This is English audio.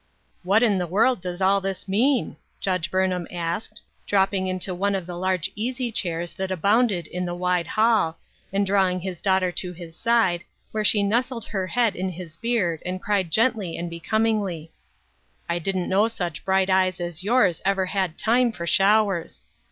" What in the world does all this mean ?" Judge Burnham asked, dropping into one of the large easy chairs that abounded in the wide hall, and drawing his daughter to his side, where she nestled her head in his beard and cried gently and becom ingly. " I didn't know such bright eyes as yours ever had time for showers.